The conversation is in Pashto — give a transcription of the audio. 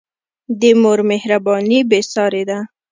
د مور مهرباني بېساری ده.